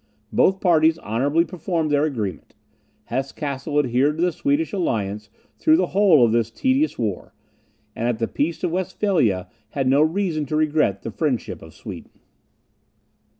Both parties honourably performed their agreement. Hesse Cassel adhered to the Swedish alliance during the whole of this tedious war; and at the peace of Westphalia had no reason to regret the friendship of Sweden.